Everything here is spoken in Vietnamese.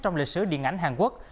trong lịch sử điện ảnh hàn quốc